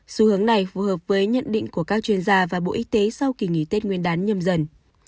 xu hướng này phù hợp với nhận định của các chuyên gia và bộ y tế sau kỳ nghỉ tết nguyên đán nhâm dần